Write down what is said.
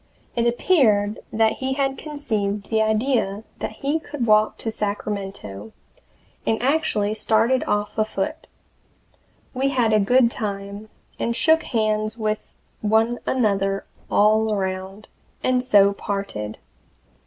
It appeared that he had conceived the idea that he could walk to Sacramento, and actually started off afoot. We had a good time, and shook hands with one another all around, and so parted.